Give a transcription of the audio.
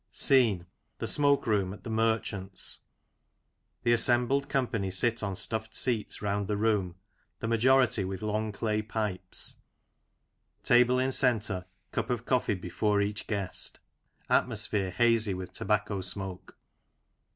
Scene : The smoke room at the Merchants." The assembled company seated on stuffed seats round the room, the majority with long clay pipes. Table in centre, cup of coffee before each guest. Atmosphere hazy with tobacco smoke.